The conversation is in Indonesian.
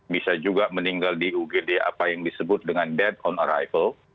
bisa juga meninggal di ugd apa yang disebut dengan dead on arrival